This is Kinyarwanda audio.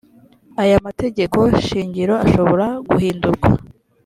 aya mategeko shingiro ashobora guhindurwa